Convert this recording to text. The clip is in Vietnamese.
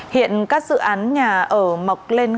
hiện các dự án nhà ở mọc lên